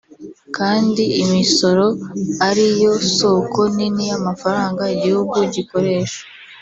kandi imisoro ari yo soko nini y’amafaranga igihugu gikoresha